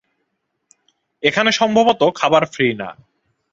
এখানে সম্ভবত খাবার ফ্রী না।